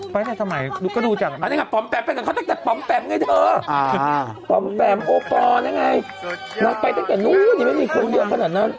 ทำไมก็ดูจังอันนั้นไงปอมแปมไปกับเขาตั้งแต่ปอมแปมไงเธอปอมแปมโอปอลนั่นไงนางไปตั้งแต่นู้นยังไม่มีคนเยอะขนาดนั้น